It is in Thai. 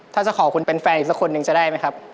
ถ้าจะขอคุณเป็นแฟนอีกสักคนนึงจะได้ไหมครับ